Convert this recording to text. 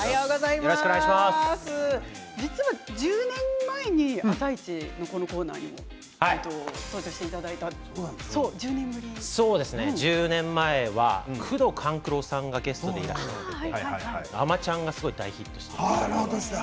実は１０年前に「あさイチ」のこのコーナーにご出演していただいた１０年前は宮藤官九郎さんがゲストにいらっしゃっていて「あまちゃん」が大ヒットしていました。